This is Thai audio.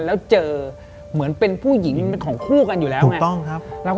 แล้วเจอเหมือนเป็นผู้หญิงเป็นของคู่กันอยู่แล้วไง